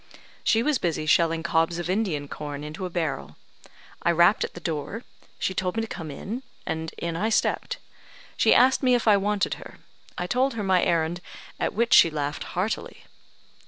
She was busy shelling cobs of Indian corn into a barrel. I rapped at the door. She told me to come in, and in I stepped. She asked me if I wanted her. I told her my errand, at which she laughed heartily."